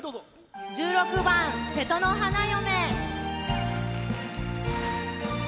１６番「瀬戸の花嫁」。